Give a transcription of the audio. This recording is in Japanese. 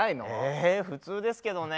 え普通ですけどね。